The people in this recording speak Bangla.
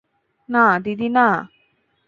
নাহ, দিদি না।